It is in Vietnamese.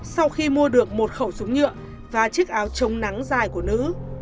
sau khi mua được một khẩu súng nhựa và chiếc áo chống nắng dài của nữ